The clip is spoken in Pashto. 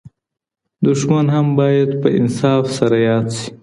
دښمن هم باید په انصاف سره یاد سي.